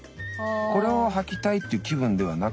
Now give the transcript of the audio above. これをはきたいっていう気分ではなくて。